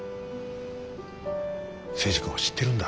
征二君は知ってるんだ。